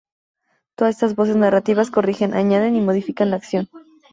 Todas estas voces narrativas corrigen, añaden y modifican la acción.